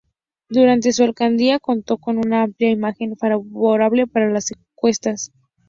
Durante su alcaldía contó con una amplia imagen favorable según las encuestas.